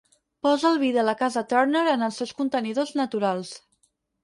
Posa el vi de la casa Turner en els seus contenidors naturals.